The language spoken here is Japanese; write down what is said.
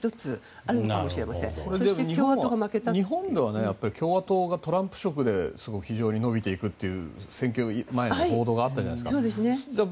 日本では共和党がトランプ色で非常に伸びていくという選挙前の報道があったじゃないですか。